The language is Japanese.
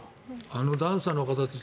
あのダンサーの方たち